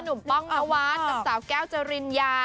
อ๋อนุ่มป้องศสาวแก้วจลินยา